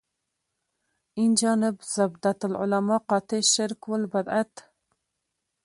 اینجانب زبدة العلما قاطع شرک و البدعت.